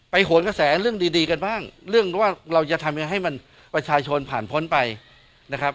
โหนกระแสเรื่องดีดีกันบ้างเรื่องว่าเราจะทำยังไงให้มันประชาชนผ่านพ้นไปนะครับ